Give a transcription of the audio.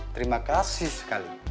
terima kasih sekali